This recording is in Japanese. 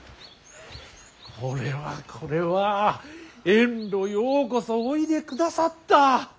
これはこれは遠路ようこそおいでくださった。